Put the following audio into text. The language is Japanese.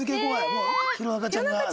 もう弘中ちゃんが好きな。